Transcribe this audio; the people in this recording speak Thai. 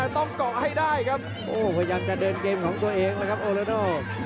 ต้องก้อให้ได้พยายามจะเดินเรื่องเกมของตัวเองนะครับโอราโน